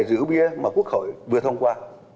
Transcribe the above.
rượu bia mà quốc hội vừa thông qua